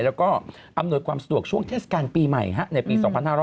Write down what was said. แล้วก็อำนวยความสะดวกช่วงเทศกาลปีใหม่ในปี๒๕๕๙